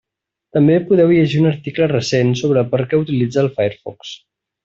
També podeu llegir un article recent sobre per què utilitzar el Firefox.